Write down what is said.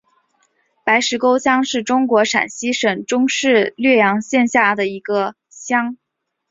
白石沟乡是中国陕西省汉中市略阳县下辖的一个乡。